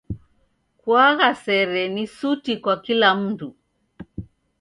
Kuagha sere ni suti kwa kila mndu.